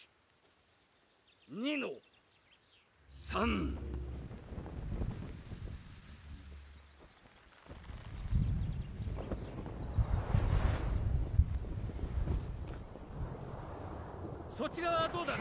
１２の３・そっち側はどうだ？